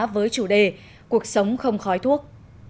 với chủ đề cuộc sống không khói thuốc